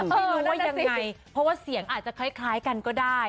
ไม่รู้ว่ายังไงเพราะว่าเสียงอาจจะคล้ายกันก็ได้